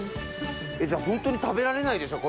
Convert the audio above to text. じゃあホントに食べられないでしょ？